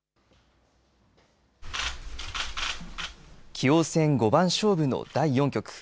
棋王戦五番勝負の第４局。